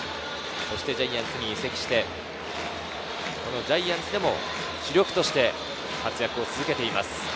そしてジャイアンツに移籍して、ジャイアンツでも主力として、活躍を続けています。